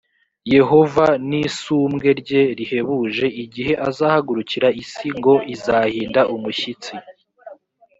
yehova n isumbwe rye rihebuje igihe azahagurukira isi ngo izahinda umushyitsi